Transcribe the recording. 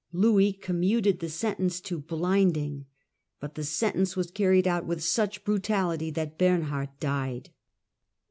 Louis commuted the sentence to blinding, but the sentence was carried out with such brutality that Bernhard died.